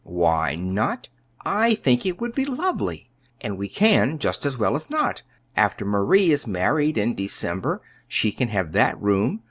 "Why not? I think it would be lovely; and we can just as well as not. After Marie is married in December, she can have that room.